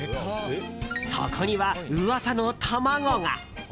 そこには噂の卵が。